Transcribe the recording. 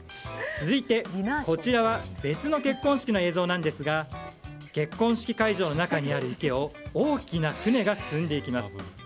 続いてこちらは別の結婚式の映像ですが結婚式会場の中にある池を大きな船が進んでいきます。